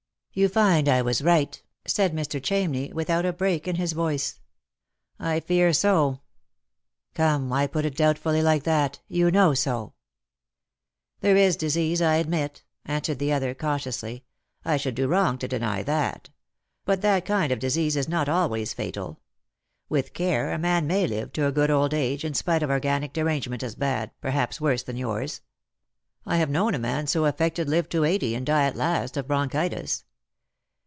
" You find I was right," said Mr. Chamney, without a break in his voice. " I fear so." *' Come, why put it doubtfully like that ? You kaow so." Lost for Love. 13 " There is disease, I admit," answered the other cautiously ;" I should do wrong to deny that. But that kind of disease is not always fatal. With care a man may live to a good old age, in spite of organic derangement as bad, perhaps worse ,thau yours. I have known a man so affected live to eighty, and die at last of bronchitis.